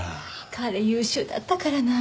彼優秀だったからなあ。